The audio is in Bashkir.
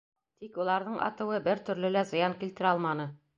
Тик уларҙың атыуы бер төрлө лә зыян килтерә алманы.